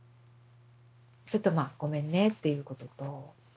ずっとまあごめんねっていうことと。